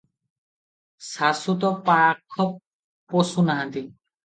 ଶାଶୁ ତ ପାଖ ପଶୁ ନାହାନ୍ତି ।